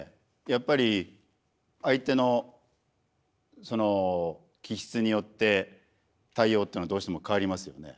やっぱり相手の気質によって対応っていうのはどうしても変わりますよね。